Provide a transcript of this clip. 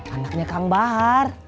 anaknya kang bahar